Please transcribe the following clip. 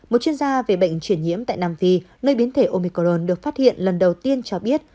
một chuyên gia về bệnh chuyển nhiễm tại nam phi nơi biến thể omicron được phát hiện lần đầu tiên cho biết